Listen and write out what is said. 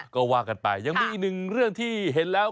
ก็ว่ากันไปยังมีอีกหนึ่งเรื่องที่เห็นแล้ว